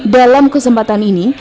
dalam kesempatan ini